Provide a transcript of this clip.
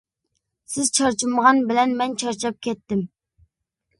سىز چارچىمىغان بىلەن مەن چارچاپ كەتتىم!